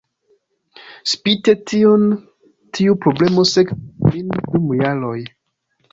Spite tion, tiu problemo sekvis min dum jaroj.